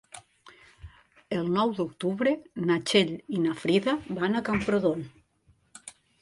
El nou d'octubre na Txell i na Frida van a Camprodon.